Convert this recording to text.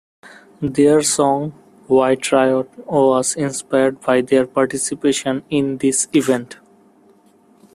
Their song "White Riot" was inspired by their participation in this event.